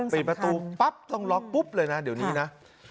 ปิดประตูปั๊บต้องล็อกปุ๊บเลยนะเดี๋ยวนี้นะ